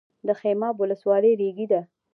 د خمیاب ولسوالۍ ریګي ده